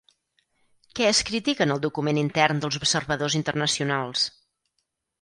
Què es critica en el document intern dels observadors internacionals?